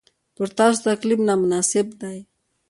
پر تاسو تکلیف نامناسب دی.